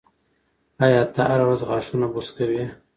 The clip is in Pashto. ایا ته هره ورځ غاښونه برس کوې؟